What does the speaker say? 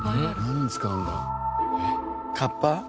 何に使うんだ？